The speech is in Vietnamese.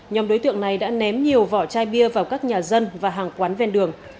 nhóm đối tượng này đã ném nhiều vỏ chai bia vào các nhà dân và hàng quán ven đường